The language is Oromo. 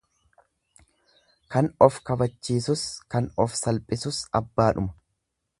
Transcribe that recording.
Kan of kabachiisus kan of salphisus abbaadhuma.